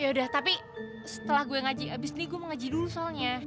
ya udah tapi setelah gue ngaji abis ini gue mau ngaji dulu soalnya